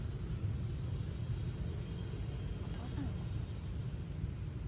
あお父さんのこと？